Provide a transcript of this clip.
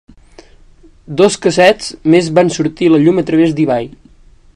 Dos cassets més van sortir a la llum a través d'eBay.